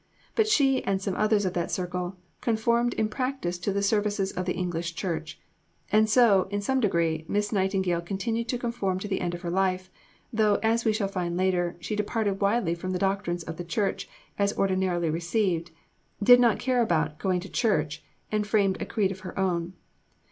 But she and some others of that circle conformed in practice to the services of the English Church. And so, in some degree, Miss Nightingale continued to conform to the end of her life; though, as we shall find later on, she departed widely from the doctrines of the Church as ordinarily received, did not care about "going to church," and framed a creed of her own.